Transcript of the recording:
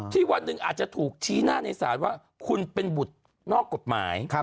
วันหนึ่งอาจจะถูกชี้หน้าในศาลว่าคุณเป็นบุตรนอกกฎหมาย